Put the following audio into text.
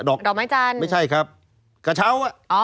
ดอกไม้จันทร์ไม่ใช่ครับกระเช้า